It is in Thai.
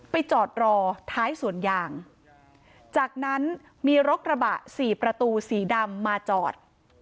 จอดรอท้ายสวนยางจากนั้นมีรถกระบะสี่ประตูสีดำมาจอด